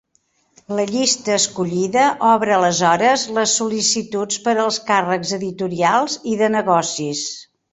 La llista escollida obre aleshores les sol·licituds per als càrrecs editorials i de negocis.